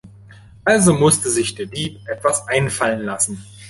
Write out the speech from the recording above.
Also musste sich der Dieb etwas einfallen lassen.